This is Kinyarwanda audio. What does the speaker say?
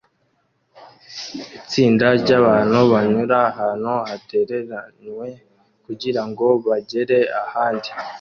Itsinda ryabantu banyura ahantu hatereranywe kugirango bagere ahandi